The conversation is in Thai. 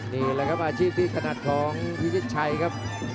นี่แหละครับอาชีพที่ถนัดของพิชิตชัยครับ